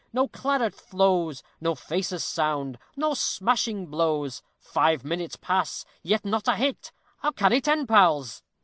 no claret flows, No facers sound no smashing blows Five minutes pass, yet not a hit, How can it end, pals?